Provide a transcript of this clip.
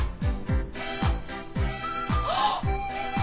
あっ！